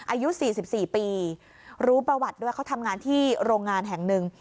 อายุ๔๔ปีรู้ประวัติด้วยเขาทำงานที่โรงงานแห่งหนึ่ง